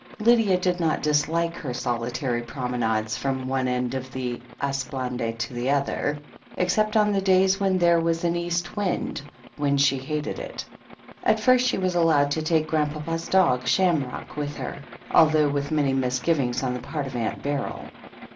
Lydia did not dislike her solitary promenades from one end of the Esplanade to the other, except on the days when there was an east wind,, when she hated it. At first she was allowed to take Grandpapa's dog, Shamrock, with her, although with many misgivings on the part of Aunt Beryl.